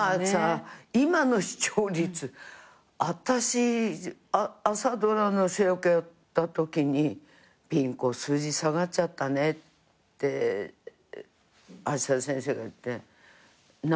今の視聴率私朝ドラの主役やったときに「ピン子数字下がっちゃったね」って橋田先生が言って「何％？」